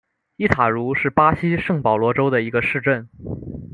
伊塔茹是巴西圣保罗州的一个市镇。